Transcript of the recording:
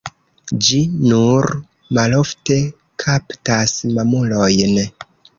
Ĝi nur malofte kaptas mamulojn.